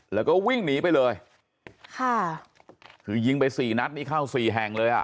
แล้วก็วิ่งหนีไปเลยค่ะคือยิงไปสี่นัดนี่เข้าสี่แห่งเลยอ่ะ